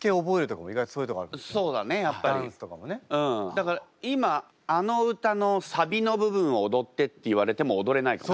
だから今あの歌のサビの部分を踊ってって言われても踊れないかも。